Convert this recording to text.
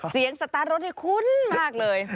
สตาร์ทรถนี่คุ้นมากเลย